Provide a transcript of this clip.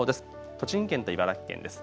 栃木県と茨城県です。